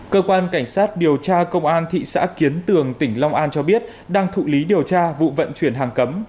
cơ quan cảnh sát điều tra công an thị xã kiến tường tỉnh long an cho biết đang thụ lý điều tra vụ vận chuyển hàng cấm